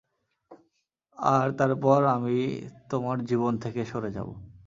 আর তারপর আমি তোমার জীবন থেকে সরে যাবো।